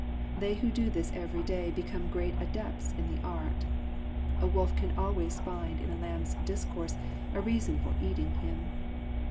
They who do this every day become great adepts in the art. A wolf can always tind in a lamb's discourse a reason for eating him.